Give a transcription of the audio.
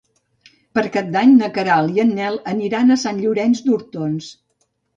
Per Cap d'Any na Queralt i en Nel aniran a Sant Llorenç d'Hortons.